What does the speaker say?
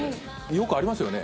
茲ありますよね？